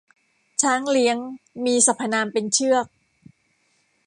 ช้างเลี้ยง มีสรรพนามเป็นเชือก